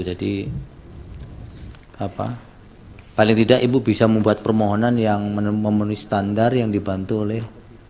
jadi paling tidak ibu bisa membuat permohonan yang memenuhi standar yang dibantu oleh